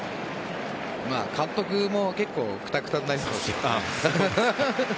監督も結構くたくたになりますよ。